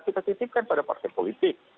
kita titipkan pada partai politik